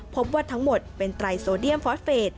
พบว่าทั้งหมดเป็นไตรโซเดียมฟอสเฟส